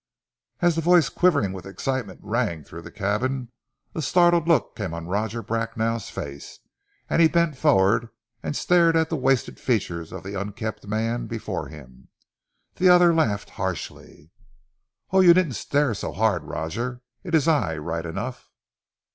As the voice quivering with excitement rang through the cabin, a startled look came on Roger Bracknell's face, and he bent forward, and stared at the wasted features of the unkempt man before him. The other laughed harshly. "Oh, you needn't stare so hard, Roger; it is I right enough."